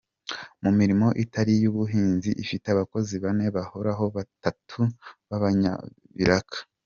Mu mirimo itari iy’ubuhinzi ifite abakozi bane bahoraho na batatu b’abanyabiraka.